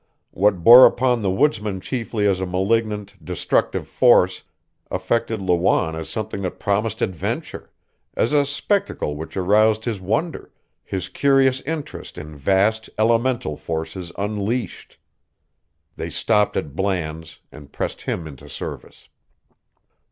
What bore upon the woodsmen chiefly as a malignant, destructive force affected Lawanne as something that promised adventure, as a spectacle which aroused his wonder, his curious interest in vast, elemental forces unleashed. They stopped at Bland's and pressed him into service.